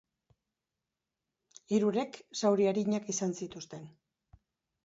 Hirurek zauri arinak izan dituzte.